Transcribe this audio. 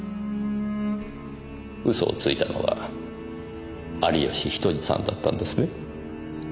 嘘をついたのは有吉比登治さんだったんですね？